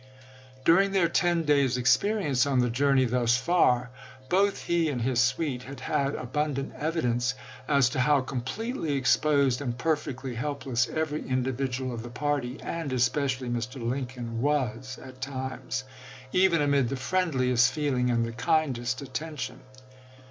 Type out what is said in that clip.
During their ten days' experience on the journey thus far, both he and his suite had had abundant evidence as to how completely exposed and per fectly helpless every individual of the party, and especially Mr. Lincoln, was at times, even amid the friendliest feeling and the kindest attention.